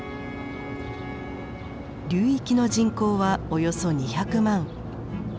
流域の人口はおよそ２００万。